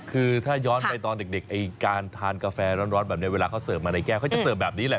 คือถ้าย้อนไปตอนเด็กไอ้การทานกาแฟร้อนแบบนี้เวลาเขาเสิร์ฟมาในแก้วเขาจะเสิร์ฟแบบนี้แหละ